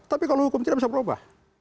tapi kalau hukum tidak bisa berubah